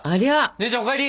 姉ちゃんお帰り！